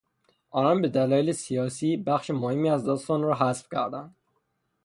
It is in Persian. آنان به دلایل سیاسی بخش مهمی از داستان را حذف کردند.